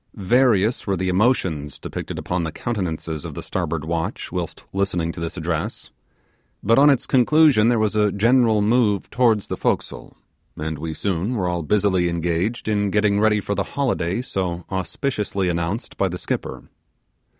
Various were the emotions depicted upon the countenances of the starboard watch whilst listening to this address; but on its conclusion there was a general move towards the forecastle, and we soon were all busily engaged in getting ready for the holiday so auspiciously announced by the skipper.